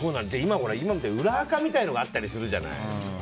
今みたいに裏アカみたいなのがあったりするじゃない。